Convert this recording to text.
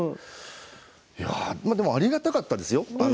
でも、ありがたかったですよ。